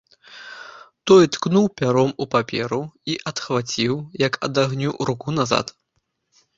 Той ткнуў пяром у паперу і адхваціў, як ад агню, руку назад.